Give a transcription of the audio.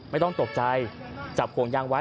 ไม่ต้องตกใจจับห่วงยางไว้